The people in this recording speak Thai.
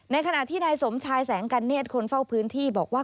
ขณะที่นายสมชายแสงกันเนธคนเฝ้าพื้นที่บอกว่า